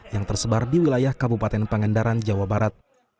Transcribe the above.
yang tersebar di wilayah kabupaten pangandaran jawa barat